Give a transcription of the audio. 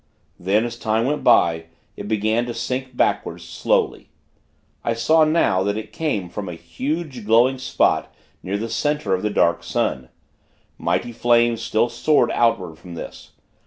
Then, as time went by, it began to sink backward, slowly. I saw, now, that it came from a huge, glowing spot near the center of the Dark Sun. Mighty flames, still soared outward from this.